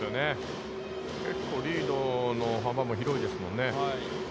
結構リードの幅も広いですもんね。